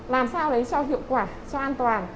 làm sao để cho hiệu quả cho an toàn